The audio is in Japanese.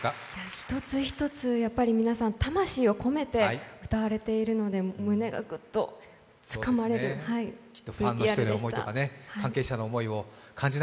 一つ一つ皆さん、魂を込めて歌われているので、胸がグッとつかまれました。